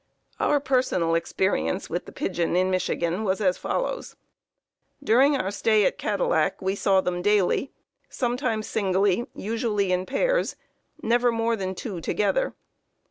"Our personal experience with the pigeon in Michigan was as follows: "During our stay at Cadillac we saw them daily, sometimes singly, usually in pairs, never more than two together.